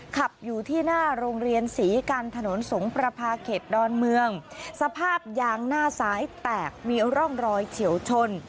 ขับอยู่ที่หน้าโรงเรียนศรีกันถนนสงประพาเขตดอนเมืองสภาพยางหน้าซ้ายแตกมีร่องรอยเฉียวชน